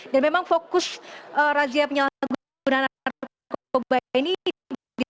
dan memang fokus razia penyelahgunaan narkoba ini